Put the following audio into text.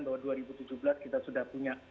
bahwa dua ribu tujuh belas kita sudah punya